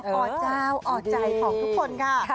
อเจ้าอ่อใจของทุกคนค่ะ